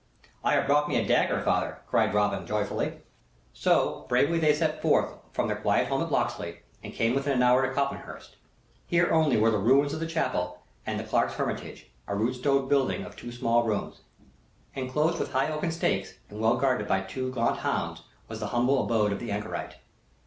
"I have brought me a dagger, father," cried Robin, joyfully. So, bravely they set forth from their quiet house at Locksley, and came within the hour to Copmanhurst. Here only were the ruins of the chapel and the clerk's hermitage, a rude stone building of two small rooms. Enclosed with high oaken stakes and well guarded by two gaunt hounds was the humble abode of the anchorite.